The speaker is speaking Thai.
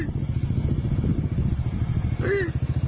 ดูดิ